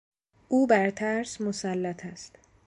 او بر ترس مسلط است.